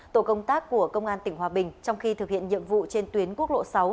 tổ công tác của công an tỉnh hòa bình trong khi thực hiện nhiệm vụ trên tuyến quốc lộ sáu